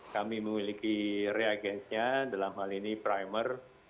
kami memiliki reagensnya dalam hal ini primer